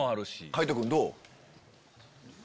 海人君どう？